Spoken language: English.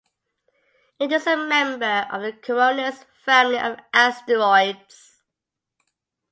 It is a member of the Koronis family of asteroids.